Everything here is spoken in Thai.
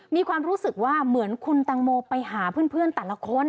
มีความรู้สึกว่าเหมือนคุณตังโมไปหาเพื่อนแต่ละคน